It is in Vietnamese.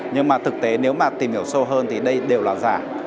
nhưng mà thực tế nếu mà tìm hiểu sâu hơn thì đây đều là giả